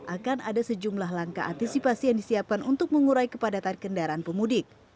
akan ada sejumlah langkah antisipasi yang disiapkan untuk mengurai kepadatan kendaraan pemudik